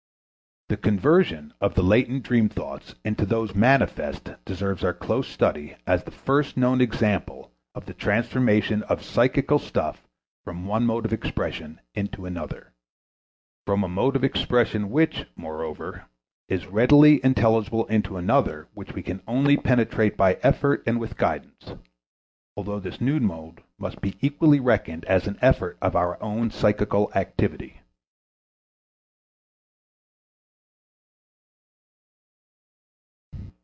The conversion of the latent dream thoughts into those manifest deserves our close study as the first known example of the transformation of psychical stuff from one mode of expression into another. From a mode of expression which, moreover, is readily intelligible into another which we can only penetrate by effort and with guidance, although this new mode must be equally reckoned as an effort of our own psychical activity.